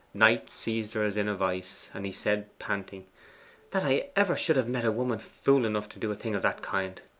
Knight seized her as in a vice, and he said, panting, 'That ever I should have met a woman fool enough to do a thing of that kind!